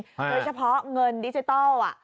โดยเฉพาะเงินดิจิทัล